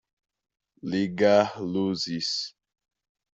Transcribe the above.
Ligar luzes.